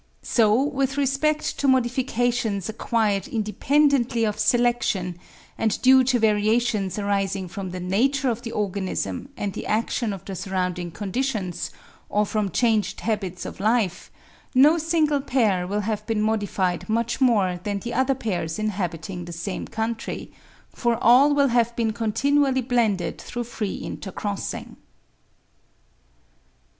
So with respect to modifications acquired independently of selection, and due to variations arising from the nature of the organism and the action of the surrounding conditions, or from changed habits of life, no single pair will have been modified much more than the other pairs inhabiting the same country, for all will have been continually blended through free intercrossing.